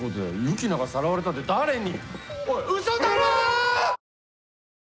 ユキナがさらわれたって誰に！？